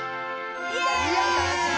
イェーイ！